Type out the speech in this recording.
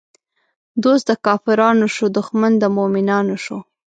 دوست د کافرانو شو، دښمن د مومنانو شو